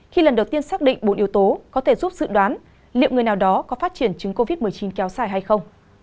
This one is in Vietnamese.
khi lần đầu tiên xác định bốn yếu tố có thể giúp dự đoán liệu người nào đó có phát triển chứng covid một mươi chín kéo dài hay không